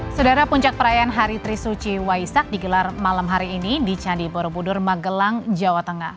saudara puncak perayaan hari trisuci waisak digelar malam hari ini di candi borobudur magelang jawa tengah